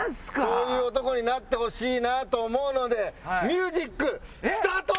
そういう男になってほしいなと思うのでミュージックスタート！